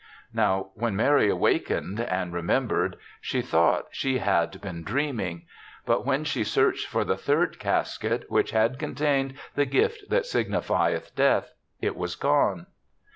Now when Mary wakened and re membered, she thought she had been %^^^;>.\ri' 6o THE SEVENTH CHRISTMAS dreaming. But when she searched for the third casket, which had con tained the gift that signifieth Death, it was gone.